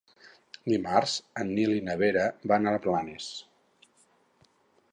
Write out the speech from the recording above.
Dimarts en Nil i na Vera van a Blanes.